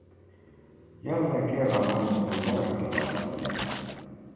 Jälleen kerran onnistuin valehtelemaan itselleni.